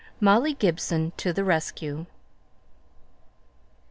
MOLLY GIBSON TO THE RESCUE.